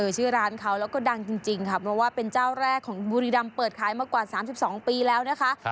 ชื่อร้านเขาแล้วก็ดังจริงค่ะเพราะว่าเป็นเจ้าแรกของบุรีรำเปิดขายมากว่า๓๒ปีแล้วนะคะ